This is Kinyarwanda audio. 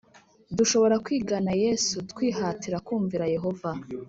Dushobora kwigana Yesu twihatira kumvira Yehova .